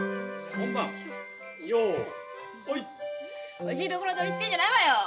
おいしいところ取りしてんじゃないわよ！